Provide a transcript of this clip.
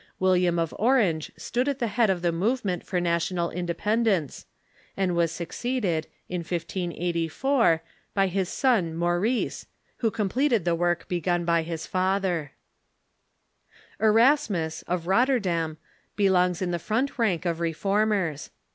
William of Orange stood at the head of the movement for national independence, and he Avas succeeded, in 1584, by his son Maurice, Avho com pleted the Avork begun by his father. 260 THE REFORMATION Erasmus, of Rotterdam, belongs in the front rank of Re formers.